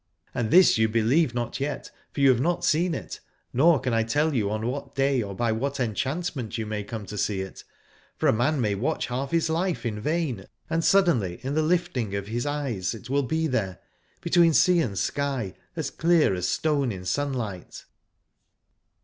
And this you believe not yet, for you have not seen it, nor can I tell you on what day or by what enchantment you may come to see it : for a man may watch half his life in vain, and suddenly in the lifting of his eyes it will be there, between sky and sea, as clear as stone in sunlight.